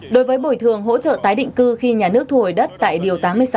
đối với bồi thường hỗ trợ tái định cư khi nhà nước thu hồi đất tại điều tám mươi sáu